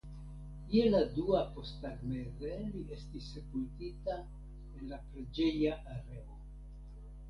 Je la dua posttagmeze li estis sepultita en la preĝeja areo.